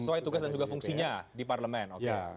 sesuai tugas dan juga fungsinya di parlemen